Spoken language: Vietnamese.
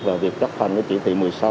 về việc chấp hành chỉ thị một mươi sáu